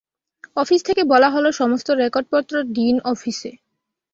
Office থেকে বলা হলো, সমস্ত রেকর্ডপত্র ডিন অফিসে।